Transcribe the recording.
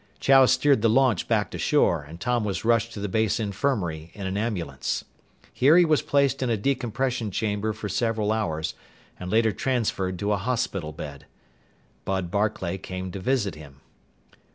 Chow steered the launch back to shore, and Tom was rushed to the base infirmary in an ambulance. Here he was placed in a decompression chamber for several hours and later transferred to a hospital bed. Bud Barclay came to visit him.